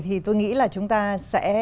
thì tôi nghĩ là chúng ta sẽ